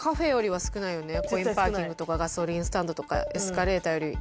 コインパーキングとかガソリンスタンドとかエスカレーターより。